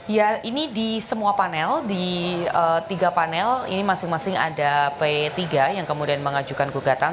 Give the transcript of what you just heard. ya ini di semua panel di tiga panel ini masing masing ada p tiga yang kemudian mengajukan gugatan